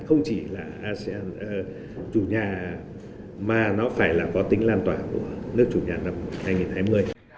không chỉ là asean chủ nhà mà nó phải là có tính lan tỏa của nước chủ nhà năm hai nghìn hai mươi